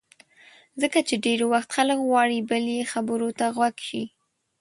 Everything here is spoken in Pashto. ځکه چې ډېری وخت خلک غواړي بل یې خبرو ته غوږ شي.